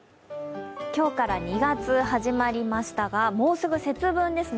今日から２月が始まりましたが、もうすぐ節分ですね。